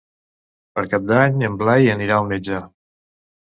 Per Cap d'Any en Blai anirà al metge.